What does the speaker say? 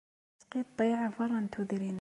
Isqiṭṭiɛ berra n tudrin.